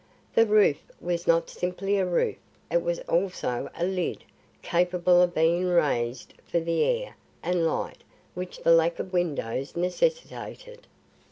The roof was not simply a roof; it was also a lid capable of being raised for the air and light which the lack of windows necessitated.